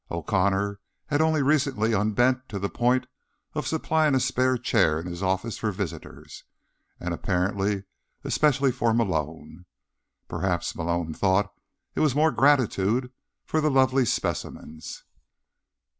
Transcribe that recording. O'Connor had only recently unbent to the point of supplying a spare chair in his office for visitors, and, apparently, especially for Malone. Perhaps, Malone thought, it was more gratitude for the lovely specimens.